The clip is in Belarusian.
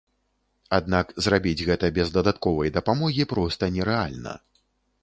Аднак зрабіць гэта без дадатковай дапамогі проста нерэальна.